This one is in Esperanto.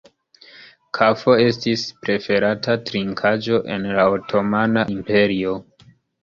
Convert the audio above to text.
Kafo estis preferata trinkaĵo en la otomana imperio.